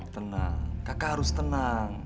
tenang kakak harus tenang